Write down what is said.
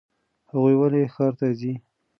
هغوی ولې ښار ته ځي؟